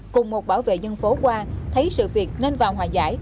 cùng một bảo vệ dân phố qua thấy sự việc nên vào hòa giải